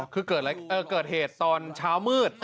คือเกิดเหตุตอนเช้ามืด